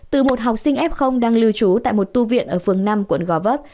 từ một học sinh f đang lưu trú tại một tu viện ở phường năm quận gò vấp